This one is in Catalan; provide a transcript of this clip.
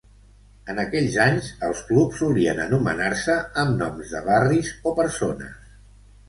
En aquells anys els clubs solien anomenar-se amb noms de barris o persones.